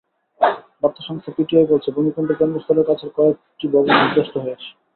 বার্তা সংস্থা পিটিআই বলেছে, ভূমিকম্পের কেন্দ্রস্থলের কাছের কয়েকটি ভবন বিধ্বস্ত হয়েছে।